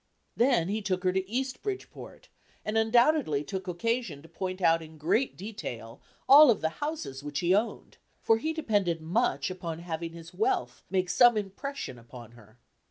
Then he took her to East Bridgeport, and undoubtedly took occasion to point out in great detail all of the houses which he owned, for he depended much upon having his wealth make some impression upon her.